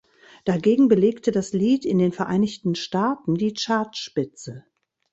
Dagegen belegte das Lied in den Vereinigten Staaten die Chartspitze.